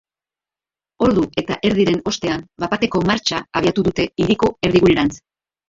Ordu eta erdiren ostean, bat-bateko martxa abiatu dute hiriko erdigunerantz.